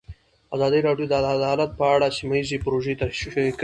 ازادي راډیو د عدالت په اړه سیمه ییزې پروژې تشریح کړې.